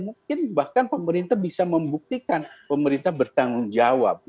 mungkin bahkan pemerintah bisa membuktikan pemerintah bertanggung jawab